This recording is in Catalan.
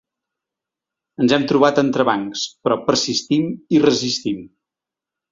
Ens hem trobat entrebancs, però persistim i resistim.